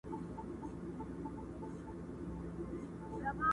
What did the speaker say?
په خِلقت کي مي حکمت د سبحان وینم.